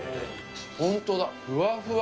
本当だ、ふわふわ。